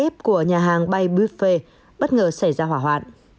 vòng bay buffet bất ngờ xảy ra hỏa hoạn